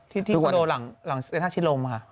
ที่คุณดูหลังหลังเส้นท่าชิดลมค่ะ